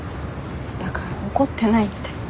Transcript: だから怒ってないって。